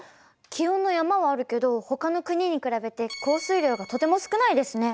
気温の山はあるけどほかの国に比べて降水量がとても少ないですね。